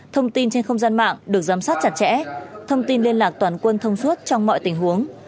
thông tin trên không gian mạng được giám sát chặt chẽ thông tin liên lạc toàn quân thông suốt trong mọi tình huống